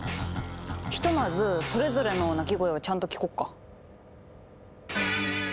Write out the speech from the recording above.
ひとまずそれぞれの鳴き声をちゃんと聞こっか。